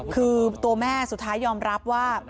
คือตัวแม่สุดท้ายยอมรับว่า